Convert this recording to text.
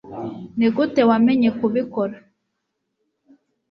nigute wamenye kubikora